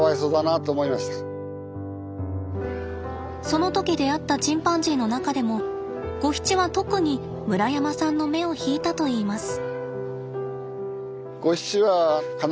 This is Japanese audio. その時出会ったチンパンジーの中でもゴヒチは特に村山さんの目を引いたといいます。